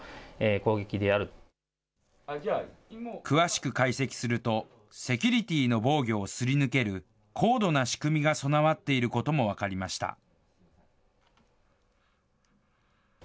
詳しく解析すると、セキュリティーの防御をすり抜ける、高度な仕組みが備わっていることも分かりました。